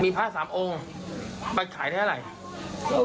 มีผ้า๓องค์ไปขายเท่าไหร่